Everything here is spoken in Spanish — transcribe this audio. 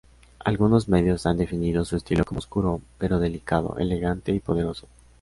Algunos medios han definido su estilo como "oscuro pero delicado, elegante y poderoso".